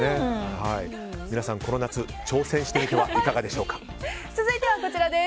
皆さんもこの夏挑戦してみてはいかがでしょうか。